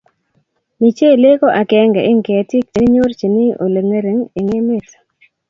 michelek ko akenge en ketik chikinyorchine oli ngering en emet